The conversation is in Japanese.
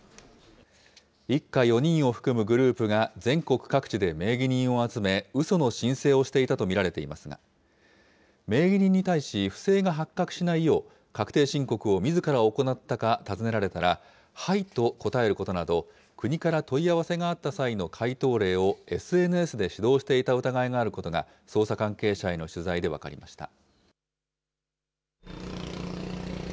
一家４人を含むグループが全国各地で名義人を集め、うその申請をしていたと見られていますが、名義人に対し不正が発覚しないよう、確定申告をみずから行ったか尋ねられたら、はいと答えることなど、国から問い合わせがあった際の回答例をＳＮＳで指導していた疑いがあることが、捜査関係者への取材で分かりました。